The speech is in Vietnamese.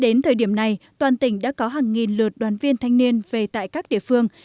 trong thời tiết hiện nay toàn tỉnh đã có hàng nghìn lượt đoàn viên thanh niên về tại các địa phương